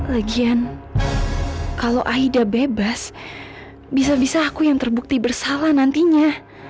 lagian kalau aida bebas bisa bisa aku yang terbukti bersalah nantinya